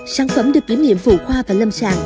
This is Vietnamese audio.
sản phẩm được kiểm nghiệm phụ khoa và lâm sàng